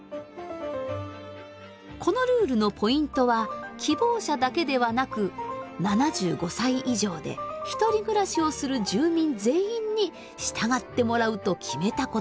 このルールのポイントは希望者だけではなく７５歳以上でひとり暮らしをする住民全員に従ってもらうと決めたことです。